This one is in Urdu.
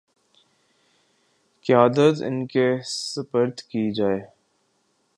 قیادت ان کے سپرد کی جائے